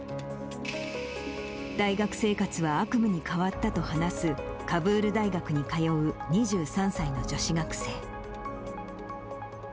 大学生活は悪夢に変わったと話す、カブール大学に通う２３歳の女子学生。